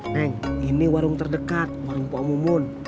neng ini warung terdekat warung pak mumun